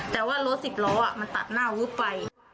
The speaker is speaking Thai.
แต่ว่ารถสิบล้อมันตัดหน้าวึบไป